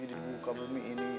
di buka bumi ini